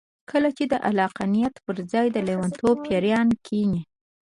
کله چې د عقلانيت پر ځای د لېونتوب پېريان کېني.